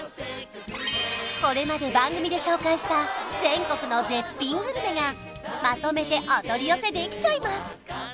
これまで番組で紹介した全国の絶品グルメがまとめてお取り寄せできちゃいます